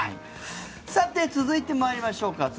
さて、続いて参りましょうか。